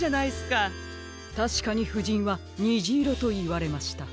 たしかにふじんは「にじいろ」といわれました。